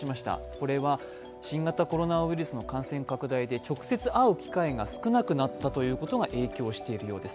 これは新型コロナウイルスの感染拡大で直接会う機会が少なくなったことが影響しているようです。